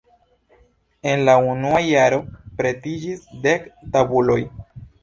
En la unua jaro pretiĝis dek tabuloj.